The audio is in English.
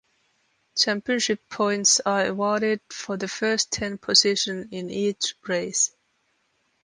Championship points are awarded for the first ten position in each race.